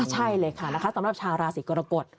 ใช่เลยค่ะนะคะสำหรับชาวราศีกรกฎ